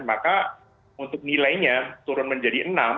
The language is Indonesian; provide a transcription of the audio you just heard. maka untuk nilainya turun menjadi enam